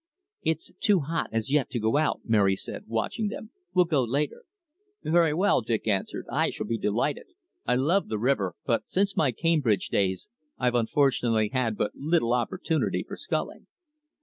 "It's too hot, as yet, to go out," Mary said, watching them. "We'll go later." "Very well," Dick answered. "I shall be delighted. I love the river, but since my Cambridge days I've unfortunately had but little opportunity for sculling."